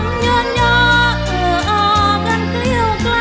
นางเดาเรืองหรือนางแววเดาสิ้นสดหมดสาวกลายเป็นขาวกลับมา